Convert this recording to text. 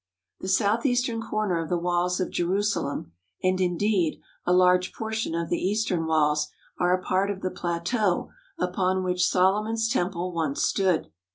The southeastern corner of the walls of Jerusalem, and, indeed, a large portion of the eastern walls, are a part of the plateau upon which Solomon's Temple once stood.